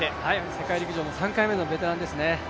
世界陸上の３回目のベテランですね。